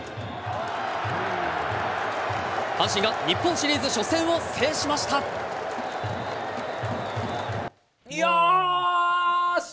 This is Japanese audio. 阪神が日本シリーズ初戦を制しまよーし！